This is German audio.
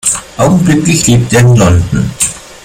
Augenblicklich lebt er in London.